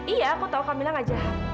iya aku tahu kamilah nggak jahat